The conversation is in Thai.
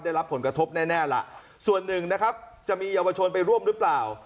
ได้รับผลกระทบแน่ล่ะส่วนหนึ่งนะครับจะมีเยาวชนไปร่วมหรือเปล่า